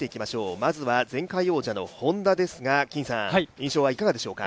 まずは前回王者のＨｏｎｄａですが、いかがでしょうか。